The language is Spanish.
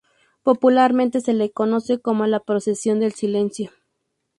Popularmente se la conoce como la "Procesión del Silencio".